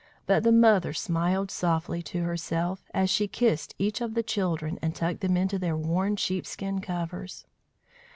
But the mother smiled softly to herself, as she kissed each of the children and tucked them into their worn sheepskin covers.